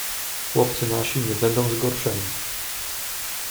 "Chłopcy nasi nie będą zgorszeni."